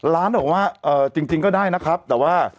ร้านบอกว่าจริงก็ได้นะครับแต่ว่า